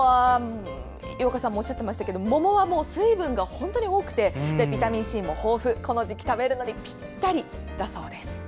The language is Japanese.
井岡さんもおっしゃってましたが桃は水分が本当に多くてビタミンＣも豊富この時期食べるのにぴったりだそうです。